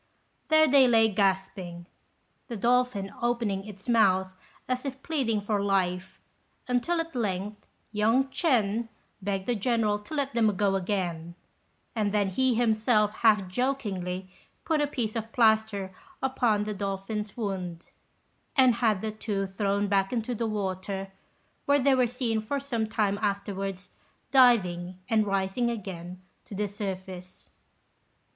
There they lay gasping, the dolphin opening its mouth as if pleading for life, until at length young Ch'ên begged the General to let them go again; and then he himself half jokingly put a piece of plaster upon the dolphin's wound, and had the two thrown back into the water, where they were seen for some time afterwards diving and rising again to the surface.